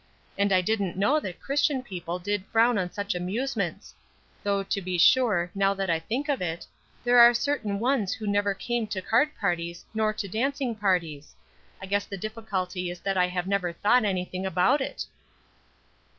And I didn't know that Christian people did frown on such amusements; though, to be sure, now that I think of it, there are certain ones who never come to card parties nor dancing parties. I guess the difficulty is that I have never thought anything about it."